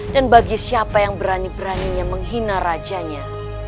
dan bagi siapa yang berani beraninya menghina rajanya